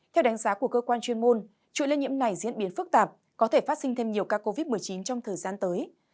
theo đánh giá của cơ quan chuyên môn chuỗi lây nhiễm này diễn biến phức tạp có thể phát sinh thêm nhiều ca covid một mươi chín trong thời gian tới